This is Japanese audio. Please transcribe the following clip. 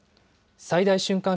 最大瞬間